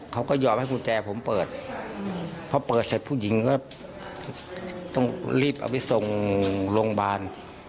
เขาก็ยอมให้กุญแจผมเปิดพอเปิดเสร็จผู้หญิงก็ต้องรีบเอาไปส่งโรงพยาบาล